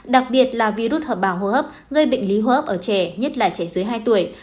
đặc biệt là virus hợp bào hô hấp gây bệnh lý hô hấp ở trẻ nhất là trẻ dưới hai tuổi